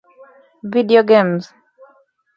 Video games